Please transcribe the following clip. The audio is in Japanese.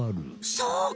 そうか。